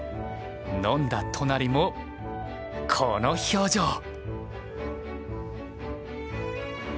飲んだ都成もこの表情。